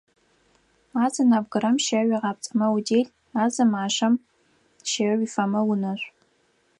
А зы нэбгырэм щэ уигъапцӏэмэ удэл, а зы машэм щэ уифэмэ унэшъу.